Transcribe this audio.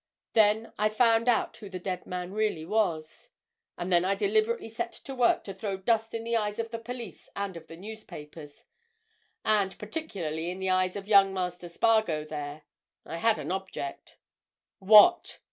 Then I found out who the dead man really was. And then I deliberately set to work to throw dust in the eyes of the police and of the newspapers, and particularly in the eyes of young Master Spargo there. I had an object." "What?"